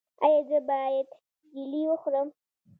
ایا زه باید جیلې وخورم؟